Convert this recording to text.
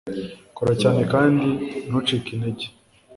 kora cyane kandi ntucike intege